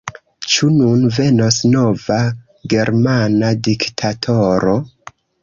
Ĉu nun venos nova germana diktatoro?